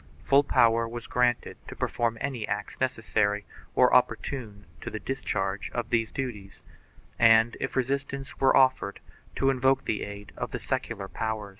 Full power was granted to perform any acts necessary or opportune to the discharge of these duties and, if resistance were offered, to invoke the aid of the secular power.